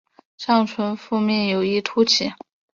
上唇腹面有一突起。